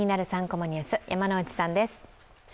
３コマニュース」、山内さんです。